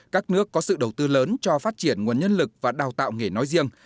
các nước có sự đầu tư lớn cho phát triển nguồn nhân lực và đào tạo nghề nói riêng